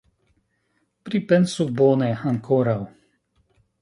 Pripensu bone ankoraŭ.